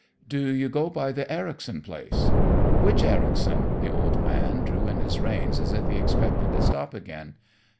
"Do you go by the Ericson place?" "Which Ericson?" The old man drew in his reins as if he expected to stop again.